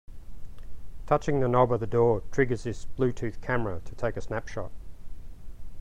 Touching the knob of the door triggers this Bluetooth camera to take a snapshot.